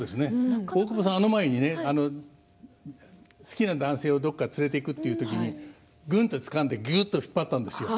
大久保さん、あの前に好きな男性をどこかに連れていくという時にぐんとつかんでぎゅっと引っ張ったんですよ。